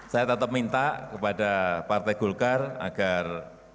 saya tetap minta kepada partai golkar agar